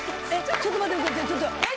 ちょっと待って待って。